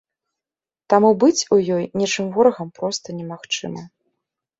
Таму быць у ёй нечым ворагам проста немагчыма.